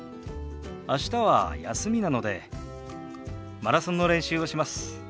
明日は休みなのでマラソンの練習をします。